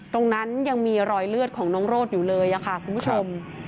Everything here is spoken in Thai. ตรงนั้นยังมีรอยเลือดของน้องโรดอยู่เลยค่ะคุณผู้ชม